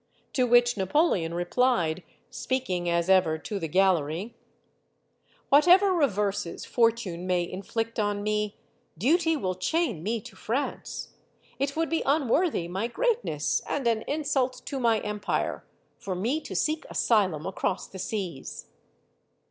To which Napoleon replied speaking, as ever, to the gallery: "Whatever reverses Fortune may inflict on me, Duty \vill chain me to France. It would be unworthy my greatness and an insult to my empire for me to seek asylum across the seas."